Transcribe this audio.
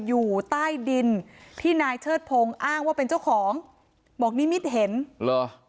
อยู่ใต้ดินที่นายเชิดพงศ์อ้างว่าเป็นเจ้าของบอกนิมิตเห็นเหรอ